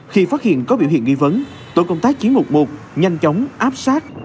khi phát hiện có biểu hiện nghi vấn tội công tác chỉ mục một nhanh chóng áp sát